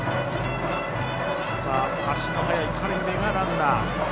足の速い苅部がランナー。